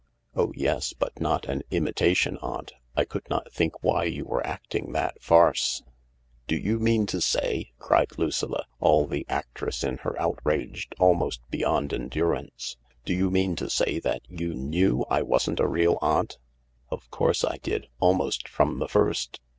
" Oh yes, but not an imitation aunt. I could not think why you were acting that farce." "Do you mean to say," cried Lucilla, all the actress in her outraged almost beyond endurance, "do you mean to say that you knew I wasn't a real aunt ?"" Of course I did — almost from the first."